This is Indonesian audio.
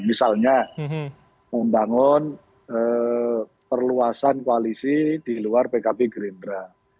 misalnya membangun perluasan koalisi di luar pkb gerindra